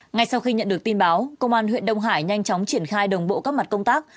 ngay sau khi nhận được tin báo công an huyện đông hải nhanh chóng triển khai đồng bộ các mặt công tác